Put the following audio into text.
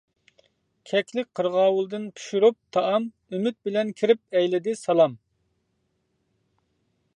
كەكلىك، قىرغاۋۇلدىن پىشۇرۇپ تائام، ئۈمىد بىلەن كىرىپ ئەيلىدى سالام.